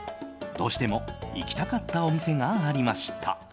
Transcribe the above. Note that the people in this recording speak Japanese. どうしても行きたかったお店がありました。